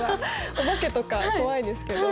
お化けとか怖いですけど。